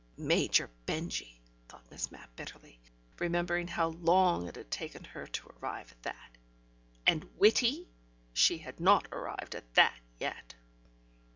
(Major Benjy! thought Miss Mapp bitterly, remembering how long it had taken her to arrive at that. And "witty". She had not arrived at that yet.)